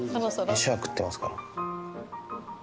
飯は食ってますから。